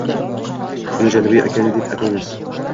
Uni Janubiy okeani deb atamaymiz